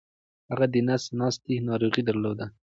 هغه دنس ناستې ناروغې درلوده